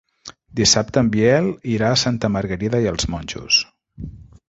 Dissabte en Biel irà a Santa Margarida i els Monjos.